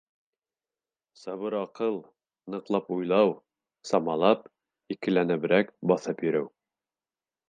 Сабыр аҡыл, ныҡлап уйлау, самалап, икеләнеберәк баҫып йөрөү...